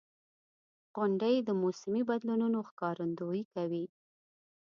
• غونډۍ د موسمي بدلونونو ښکارندویي کوي.